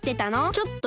ちょっとね。